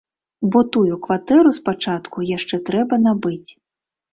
Бо тую кватэру спачатку яшчэ трэба набыць.